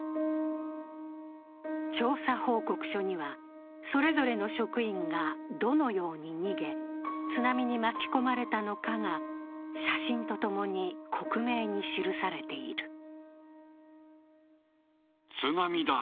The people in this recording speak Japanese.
調査報告書には、それぞれの職員がどのように逃げ、津波に巻き込まれたのかが写真とともに克明に記されている。